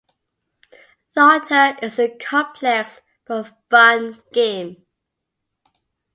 Dota is a complex but fun game.